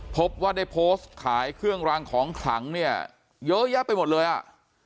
พบว่าได้โพสต์ขายเครื่องรางของขลังเนี่ยเยอะแยะไปหมดเลยอ่ะ